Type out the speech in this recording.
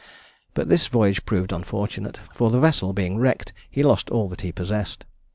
But this voyage proved unfortunate, for the vessel being wrecked, he lost all that he possessed.